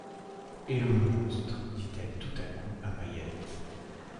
Et le monstre? dit-elle tout à coup à Mahiette.